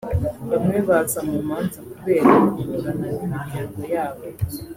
Bamwe baza mu manza kubera kuburana n’imyiryango yabo